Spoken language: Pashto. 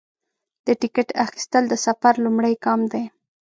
د ټکټ اخیستل د سفر لومړی ګام دی.